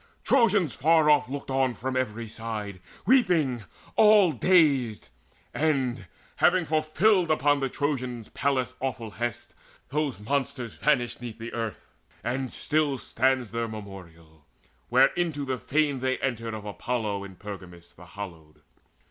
Trojans far off looked on from every side Weeping, all dazed. And, having now fulfilled Upon the Trojans Pallas' awful hest, Those monsters vanished 'neath the earth; and still Stands their memorial, where into the fane They entered of Apollo in Pergamus The hallowed.